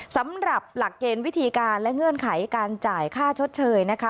สำหรับหลักเกณฑ์วิธีการและเงื่อนไขการจ่ายค่าชดเชยนะคะ